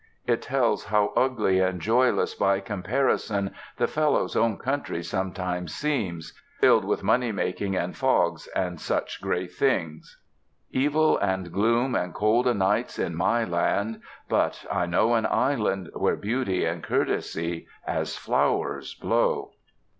It tells how ugly and joyless by comparison the fellow's own country sometimes seems, filled with money making and fogs and such grey things: "Evil, and gloom, and cold o' nights in my land; But, I know an island Where Beauty and Courtesy, as flowers, blow."